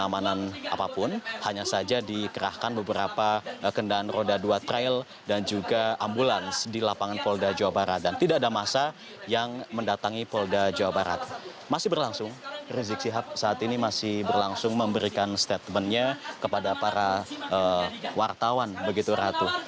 masih berlangsung rizik sihab saat ini masih berlangsung memberikan statementnya kepada para wartawan begitu ratu